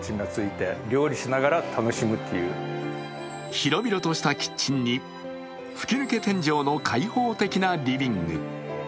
広々としたキッチンに吹き抜け天井の開放的なリビング。